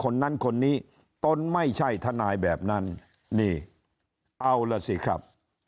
คนนั้นคนนี้ตนไม่ใช่ทนายแบบนั้นนี่เอาล่ะสิครับ